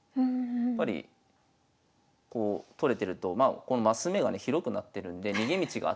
やっぱりこう取れてると升目がね広くなってるんで逃げ道があったりとか